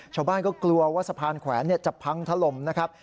ชาวบ้านก็กลัวว่าสะพานแขวนจะพังถล่มนะครับ